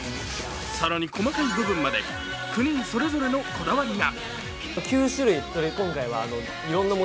更に細かい部分まで、９人それぞれのこだわりが。